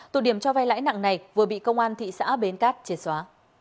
tụ điểm cho vay lãi nặng này vừa bị công an thị xã bến cát triệt xóa